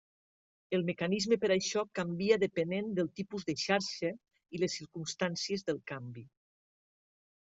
El mecanisme per això canvia depenent del tipus de xarxa i les circumstàncies del canvi.